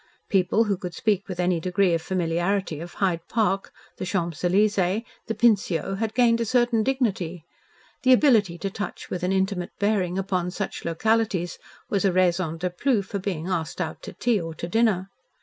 People who could speak with any degree of familiarity of Hyde Park, the Champs Elysees, the Pincio, had gained a certain dignity. The ability to touch with an intimate bearing upon such localities was a raison de plus for being asked out to tea or to dinner.